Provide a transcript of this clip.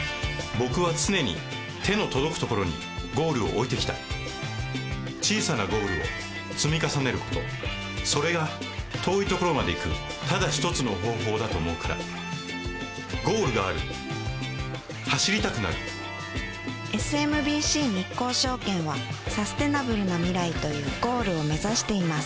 僕は常に手の届くところにゴールを置いてきた小さなゴールを積み重ねることそれが遠いところまで行くただ一つの方法だと思うからゴールがある走りたくなるＳＭＢＣ日興証券はサステナブルな未来というゴールを目指しています